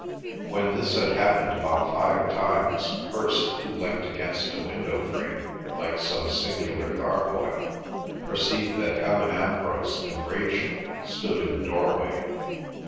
When this had happened about five times, Hirst, who leant against a window frame, like some singular gargoyle, perceived that Helen Ambrose and Rachel stood in the doorway.